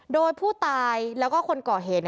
โดยผู้ตายแล้วก็คนก่อเหตุ